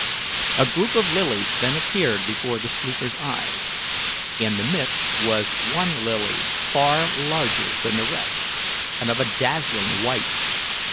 A group of lilies then appeared before the sleeper's eyes. In the midst was one lily far larger than the rest, and of a dazzling white.